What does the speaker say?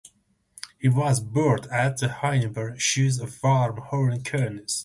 He was buried at the Hanover Shoe Farms horse cemetery.